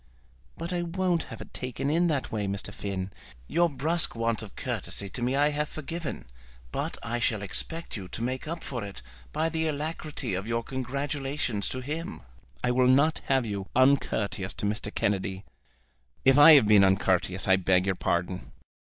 "But I won't have it taken in that way, Mr. Finn. Your brusque want of courtesy to me I have forgiven, but I shall expect you to make up for it by the alacrity of your congratulations to him. I will not have you uncourteous to Mr. Kennedy." "If I have been uncourteous I beg your pardon."